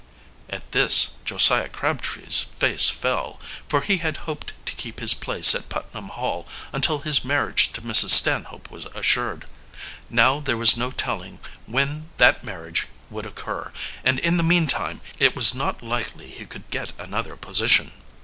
At this Josiah Crabtree's face fell, for he had hoped to keep his place at Putnam Hall until his marriage to Mrs. Stanhope was assured. Now there was no telling when that marriage would occur, and in the meantime it was not likely he could get another position.